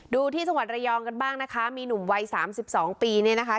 ดูที่จังหวัดระยองกันบ้างนะคะมีหนุ่มวัยสามสิบสองปีเนี่ยนะคะ